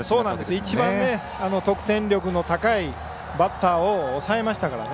一番得点力の高いバッター抑えましたからね。